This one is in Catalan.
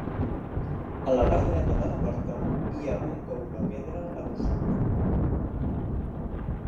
A la part dreta de la porta hi ha un pou de pedra adossat.